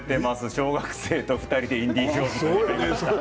小学生と２人でインディージョーンズに乗りました。